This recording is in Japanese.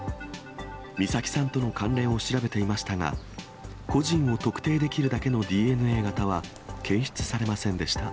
美咲さんとの関連を調べていましたが、個人を特定できるだけのＤＮＡ型は検出されませんでした。